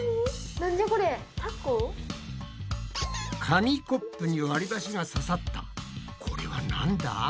紙コップにわりばしがささったこれはなんだ？